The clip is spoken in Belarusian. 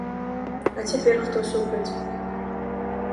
А цяпер хто супраць?